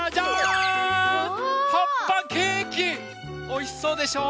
おいしそうでしょ？